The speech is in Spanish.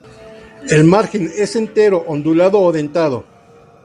El margen es entero, ondulado o dentado.